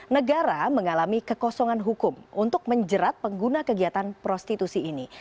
negara mengalami kekosongan hukum untuk menjerat pengguna kegiatan prostitusi ini